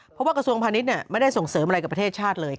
เพราะว่ากระทรวงพาณิชย์ไม่ได้ส่งเสริมอะไรกับประเทศชาติเลย